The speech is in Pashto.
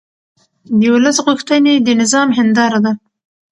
د ولس غوښتنې د نظام هنداره ده